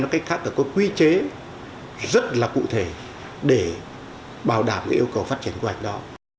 nó cách khác là có quy chế rất là cụ thể để bảo đảm cái yêu cầu phát triển quy hoạch đó